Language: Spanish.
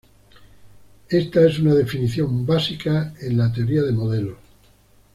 Esta es una definición básica en la teoría de modelos.